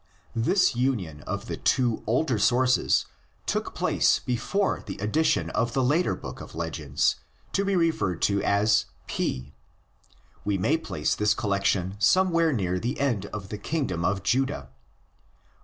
This union of the two older sources took place before the addi tion of the later book of legends to be referred to as P. We may place this collector somewhere near the end of the kingdom of Judah.